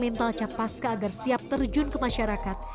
mental capaska agar siap terjun ke masyarakat